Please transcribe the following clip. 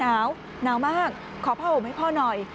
หนาวหนาวมากขอผ้าห่มให้พ่อหน่อย